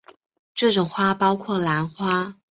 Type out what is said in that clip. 这种花包括兰花。